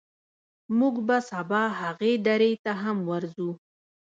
موږ به سبا هغې درې ته هم ورځو.